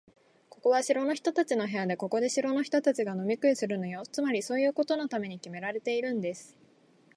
ここは城の人たちの部屋で、ここで城の人たちが飲み食いするのよ。つまり、そういうことのためにきめられているんです。